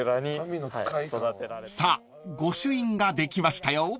［さあ御朱印ができましたよ］